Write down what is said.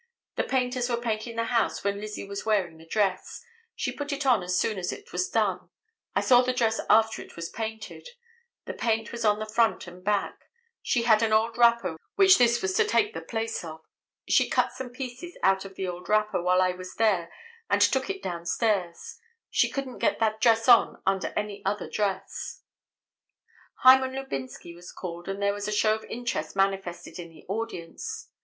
The painters were painting the house when Lizzie was wearing the dress; she put it on as soon as it was done; I saw the dress after it was 'painted'; the paint was on the front and back; she had an old wrapper which this was to take the place of; she cut some pieces out of the old wrapper while I was there and took it down stairs; she couldn't get that dress on under any other dress." Hyman Lubinsky was called, and there was a show of interest manifested in the audience.